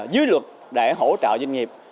dưới luật để hỗ trợ doanh nghiệp